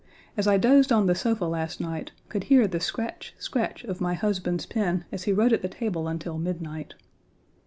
As I dozed on the sofa last night, could hear the scratch, scratch of my husband's pen as he wrote at the table until midnight.